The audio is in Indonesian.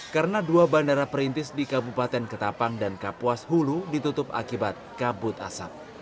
karena dua bandara perintis di kabupaten ketapang dan kapuas hulu ditutup akibat kabut asap